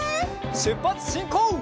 しゅっぱつしんこう！